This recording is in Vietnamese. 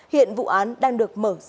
hiện vụ án đang được mở rộng điều tra